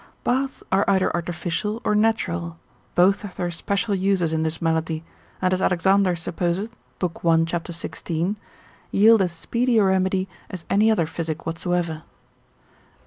Baths are either artificial or natural, both have their special uses in this malady, and as Alexander supposeth, lib. 1. cap. 16. yield as speedy a remedy as any other physic whatsoever.